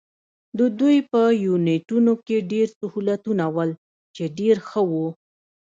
د دوی په یونیټونو کې ډېر سهولتونه ول، چې ډېر ښه وو.